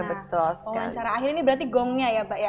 betul wawancara akhir ini berarti gongnya ya pak ya